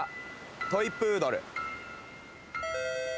トイプードル。